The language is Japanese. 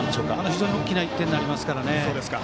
非常に大きな１点になりますから。